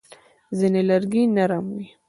ځینې لرګي نرم وي.